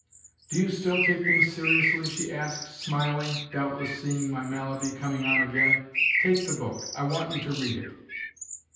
"Do you still take things seriously?" she asked, smiling, doubtless seeing my malady coming on again; "take the book, I want you to read it."